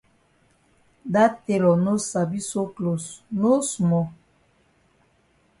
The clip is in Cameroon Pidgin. Dat tailor no sabi sew closs no small.